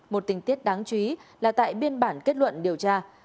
một tình tiết đáng chú ý là tại biên bản kết luận điều tra